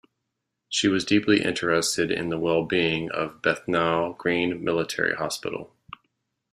She was deeply interested in the well being of Bethnal Green Military Hospital.